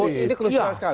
ini krusial sekali